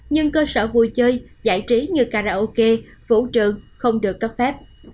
nhưng cơ sở vui chơi giải trí như karaoke vũ trường không được cấp phép